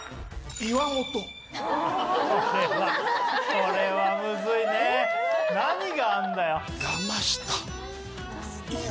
これはムズいね何があるんだよ。